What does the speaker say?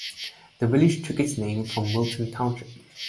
The village took its name from Milton Township.